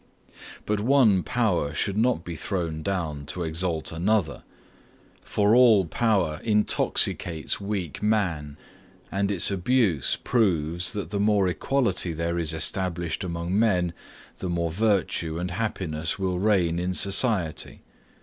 But one power should not be thrown down to exalt another for all power intoxicates weak man; and its abuse proves, that the more equality there is established among men, the more virtue and happiness will reign in society.